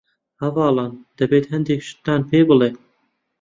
هەڤاڵان ، دەبێت هەندێ شتتان پێ بڵیم.